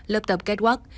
lập tập catwalk